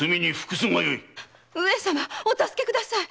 上様お助けください！